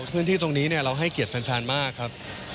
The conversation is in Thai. พื้นที่ตรงนี้เราให้เกียรติแฟนมากครับ